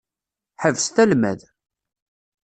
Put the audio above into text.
Ḥebset almad!